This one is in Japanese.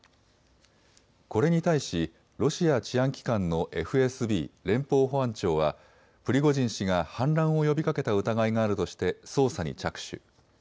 これに対しロシア治安機関のＦＳＢ・連邦保安庁はプリゴジン氏が反乱を呼びかけた疑いがあるとして捜査に着手。